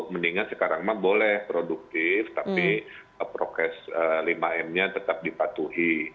mendingan sekarang mah boleh produktif tapi prokes lima m nya tetap dipatuhi